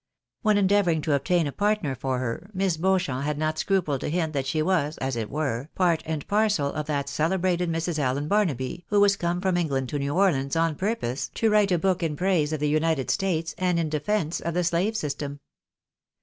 When endeavouring to obtain a partner for her. Miss Beauchamp had not scrupled to hint that she was, as it were, part and parcel of that celebrated Mrs. Allen Barnaby, who was come from England to New Orleans on purpose to write a book in praise of the United States and in defence of the slave system.